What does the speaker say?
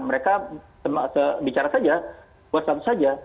mereka bicara saja buat satu saja